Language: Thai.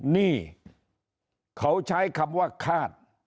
นี่เขาใช้คำว่าคาด